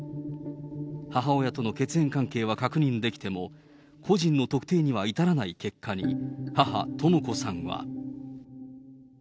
母親との血縁関係は確認できても、個人の特定には至らない結果に、母、とも子さんは。